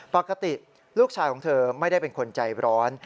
ปกติลูกชายของเธอไม่ได้เป็นคนใจร้อน